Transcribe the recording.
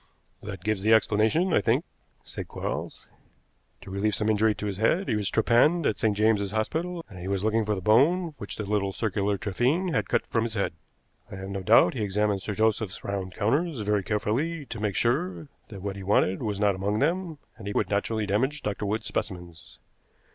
"That gives the explanation, I think," said Quarles. "To relieve some injury to his head, he was trepanned at St. James's Hospital, and he was looking for the bone which the little circular trephine had cut from his head. I have no doubt he examined Sir Joseph's round counters very carefully to make sure that what he wanted was not among them, and he would naturally damage Dr. Wood's specimens.